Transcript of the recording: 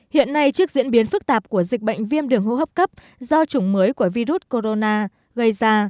hiện nay trước diễn biến phức tạp của dịch bệnh viêm đường hô hấp cấp do chủng mới của virus corona gây ra